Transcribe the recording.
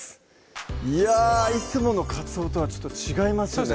いやぁいつものかつおとはちょっと違いますね